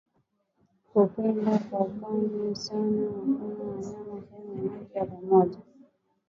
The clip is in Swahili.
Kipindi cha ukame huchangia sana maambukizi wanayama wanapo kunywa maji pamoja